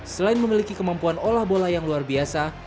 selain memiliki kemampuan olah bola yang luar biasa